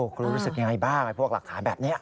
ครูรู้สึกยังไงบ้างพวกหลักฐานแบบนี้